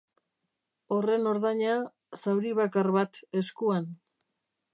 Horren ordaina, zauri bakar bat, eskuan.